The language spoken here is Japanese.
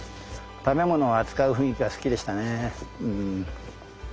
食べ物を扱う雰囲気が好きでしたねうん。